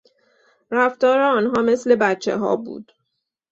رفتار آنها مثل بچهها بود.